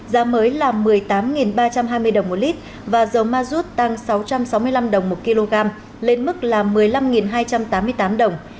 giá mới là một mươi tám ba trăm hai mươi đồng một lít và dầu ma rút tăng sáu trăm sáu mươi năm đồng một kg lên mức là một mươi năm hai trăm tám mươi tám đồng